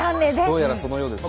どうやらそのようですね。